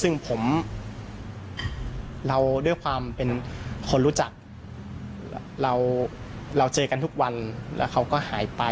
ซึ่งผมเราด้วยความเป็นคนรู้จักเราเจอกันทุกวันแล้วเขาก็หายไป